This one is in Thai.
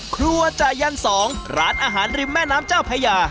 ครัวจ่ายัน๒ร้านอาหารริมแม่น้ำเจ้าพญา